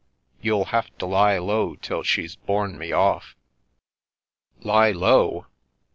"" You'll have to lie low till she's borne me off." "Lie low!